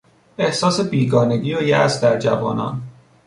احساس بیگانگی و یاس در جوانان